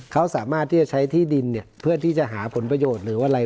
เขาสามารถที่จะใช้ที่ดินเพื่อที่จะหาผลประโยชน์หรือว่าอะไร